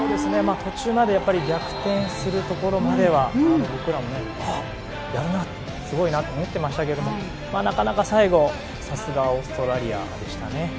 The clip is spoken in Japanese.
途中まで逆転するところまでは僕らも、やるな、すごいなと思ってましたがなかなか最後、さすがオーストラリアでしたね。